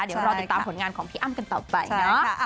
เดี๋ยวรอติดตามผลงานของพี่อ้ำกันต่อไปนะ